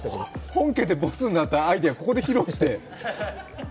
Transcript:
本家でボツになったアイデアをここで披露して。